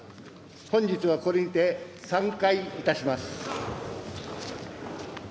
本日はこれにて散会いたします。